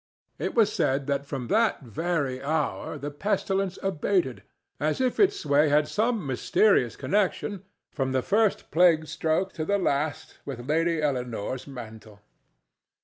It was said that from that very hour the pestilence abated, as if its sway had some mysterious connection, from the first plague stroke to the last, with Lady Elcanore's mantle.